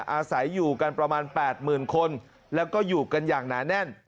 อาศัยอยู่กันประมาณ๘๐๐๐คนแล้วก็อยู่กันอย่างหนาแน่น